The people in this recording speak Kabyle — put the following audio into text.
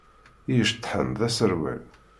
I iceṭṭḥen d aserwal.